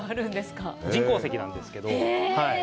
人工石なんですけど。